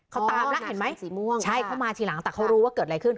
เขาตามแล้วเห็นไหมสีม่วงใช่เขามาทีหลังแต่เขารู้ว่าเกิดอะไรขึ้น